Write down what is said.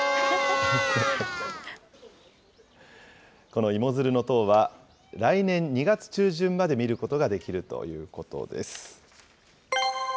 この芋づるの塔は、来年２月中旬まで見ることができるということです。